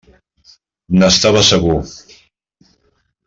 N'estava segur.